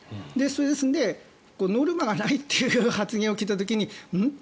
ですので、ノルマがないという発言を聞いた時にうん？